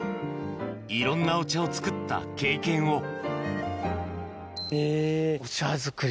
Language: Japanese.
いろんなお茶を作った経験をへぇ。